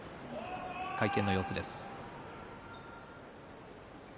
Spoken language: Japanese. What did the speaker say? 会見の様子です。